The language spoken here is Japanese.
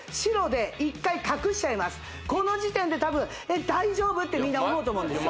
これをこの時点でたぶんえっ大丈夫？ってみんな思うと思うんですよ